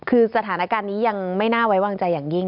คือสถานการณ์นี้ยังไม่น่าไว้วางใจอย่างยิ่ง